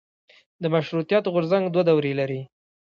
د مشروطیت غورځنګ دوه دورې لري.